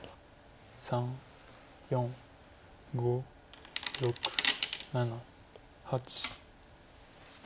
３４５６７８。